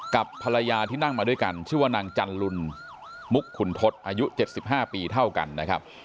กับภรรยาที่นั่งมาด้วยกันชื่อว่านางจันลุลมุกขุนทศอายุ๗๕ปีเท่ากันนะครับ